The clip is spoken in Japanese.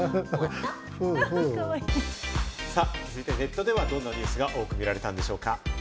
続いてネットではどんなニュースが多く見られたんでしょうか？